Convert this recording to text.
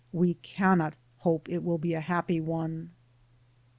We cannot hope it will be a happy one.